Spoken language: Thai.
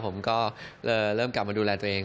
ผมก็เริ่มกลับมาดูแลตัวเอง